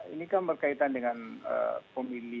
ini kan berkaitan dengan pemilih